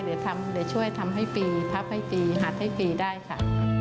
เดี๋ยวภาพให้ปีหัดให้ปีได้ค่ะ